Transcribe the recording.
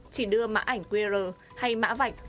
chỉ đưa mã ảnh qr hay mã vạch